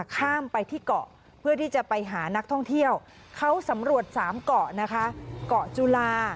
ข้ามไปที่เกาะเพื่อที่จะไปหานักท่องเที่ยวเขาสำรวจสามเกาะนะคะเกาะจุลา